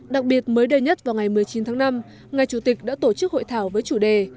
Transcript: đặc biệt mới đây nhất vào ngày một mươi chín tháng năm ngài chủ tịch đã tổ chức hội thảo với chủ đề